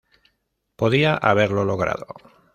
Podía haberlo logrado.